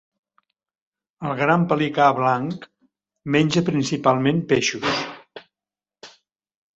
El gran pelicà blanc menja principalment peixos.